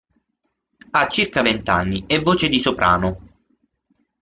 Ha circa vent'anni e voce di soprano.